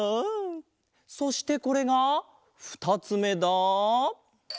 そしてこれがふたつめだ。